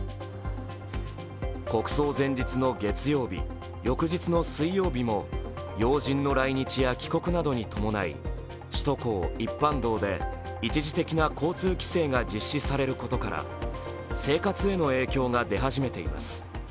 国葬前日の月曜日、翌日の水曜日も要人の来日や帰国などに伴い、首都高・一般道で一時的な交通規制が実施されることから生活への影響が出始めています。